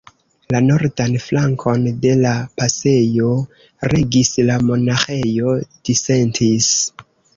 La nordan flankon de la pasejo regis la Monaĥejo Disentis.